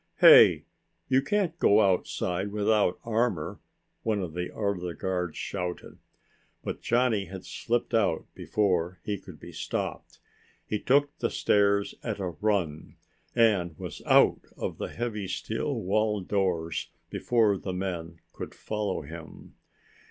"Hey, you can't go outside without armor," one of the other guards shouted. But Johnny had slipped out before he could be stopped. He took the stairs at a run, and was out of the heavy steel wall doors before the men could follow him.